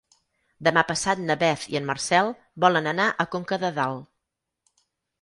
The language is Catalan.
Demà passat na Beth i en Marcel volen anar a Conca de Dalt.